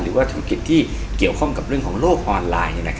หรือว่าธุรกิจที่เกี่ยวข้องกับเรื่องของโลกออนไลน์